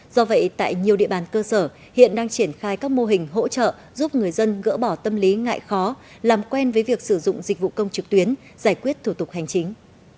do vậy tại nhiều địa bàn cơ sở hiện đang triển khai các mô hình hỗ trợ giúp người dân gỡ bỏ tâm lý ngại khó làm quen với việc sử dụng dịch vụ công trực tuyến giải quyết thủ tục hành chính